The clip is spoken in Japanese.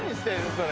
それ。